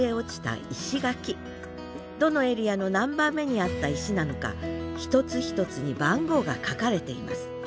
どのエリアの何番目にあった石なのか一つ一つに番号が書かれています。